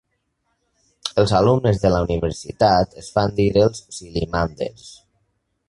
Els alumnes de la universitat es fan dir els "sillimanders".